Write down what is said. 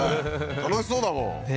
楽しそうだもんねえ